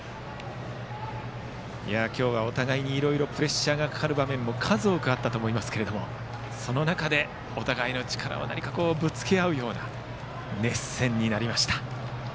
今日はお互いに、いろいろプレッシャーがかかる場面も数多くあったと思いますがその中でお互いの力をぶつけ合うような熱戦になりました。